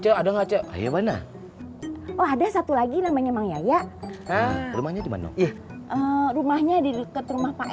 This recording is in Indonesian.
ada enggak ada mana oh ada satu lagi namanya mang yaya rumahnya di mana rumahnya di dekat rumah pak